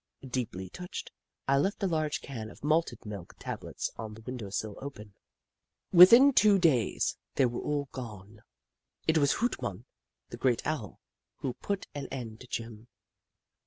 Deeply touched, I left a large can of malted milk tablets on the window sill, open. Within two days, they were all gone. It was Hoot Mon, the great Owl, who put an end to Jim.